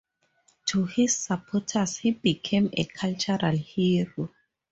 To his supporters he became a cultural hero.